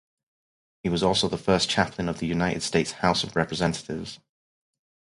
He was also the first Chaplain of the United States House of Representatives.